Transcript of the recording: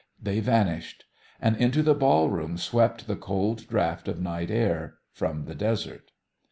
They vanished. And into the ball room swept the cold draught of night air from the desert.